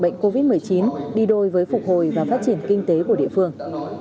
bệnh covid một mươi chín đi đôi với phục hồi và phát triển kinh tế của địa phương